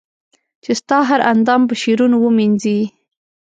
چي ستا هر اندام په شعرونو و مېنځنې